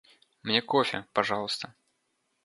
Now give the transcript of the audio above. Мне кофе, пожалуйста.